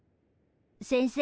先生。